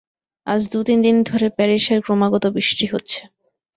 আজ দু-তিন দিন ধরে প্যারিসে ক্রমাগত বৃষ্টি হচ্ছে।